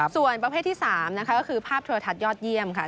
ส่วนประเภทที่๓นะคะก็คือภาพโทรทัศน์ยอดเยี่ยมค่ะ